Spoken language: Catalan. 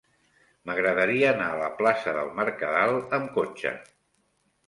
M'agradaria anar a la plaça del Mercadal amb cotxe.